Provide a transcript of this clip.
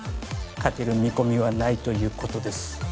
勝てる見込みはないということです